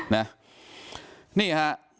นี่ฮะ